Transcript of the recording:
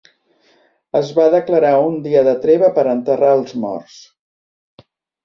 Es va declarar un dia de treva per enterrar els morts.